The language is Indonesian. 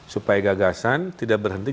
supaya gagasan tidak berhenti